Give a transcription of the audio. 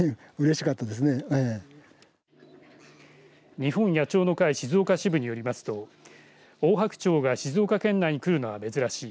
日本野鳥の会静岡支部によりますとオオハクチョウが静岡県内に来るのは珍しい。